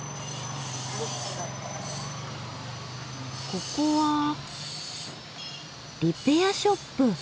ここは「リペアショップ」。